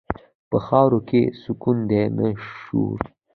په خاورو کې سکون دی، نه شور.